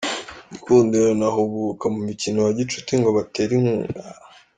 Gikundiro na Huguka mu mikino wa gicuti ngo batere inkunga